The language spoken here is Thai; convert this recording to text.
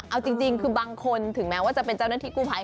เอาจริงคือบางคนถึงแม้ว่าจะเป็นเจ้าหน้าที่กู้ภัย